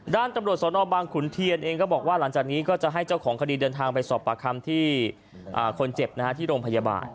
ด้านตำรวจสนบางขุนเทียนเองก็บอกว่าหลังจากนี้ก็จะให้เจ้าของคดีเดินทางไปสอบปากคำที่คนเจ็บที่โรงพยาบาล